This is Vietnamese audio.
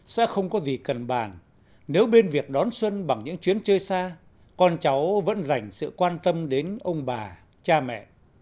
sẽ không có gì cần bàn nếu bên việc đón xuân bằng những chuyến chơi xa con cháu vẫn dành sự quan tâm đến ông bà cha mẹ